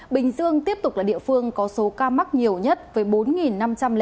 bình dương tiếp tục là địa phương có số ca mắc nhiều nhất với bốn năm trăm linh ca